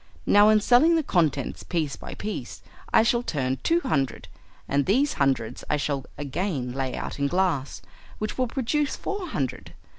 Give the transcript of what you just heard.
Now in selling the contents piece by piece I shall turn two hundred, and these hundreds I shall again lay out in glass, which will produce four hundred.